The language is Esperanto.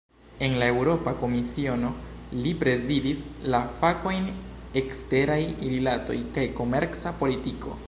En la Eŭropa Komisiono, li prezidis la fakojn "eksteraj rilatoj kaj komerca politiko".